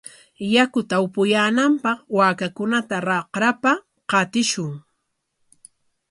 Yakuta apuyaananpaq waakakunata raqrapa qatishun.